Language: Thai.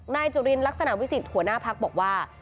นายจุลินลักษณะวิสิทธิหัวหน้าพักบอกว่า